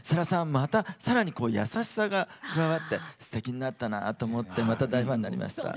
またさらに優しさが加わってすてきになったなって思ってまた大ファンになりました。